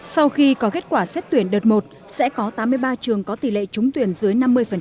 sau khi có kết quả xét tuyển đợt một sẽ có tám mươi ba trường có tỷ lệ trúng tuyển dưới năm mươi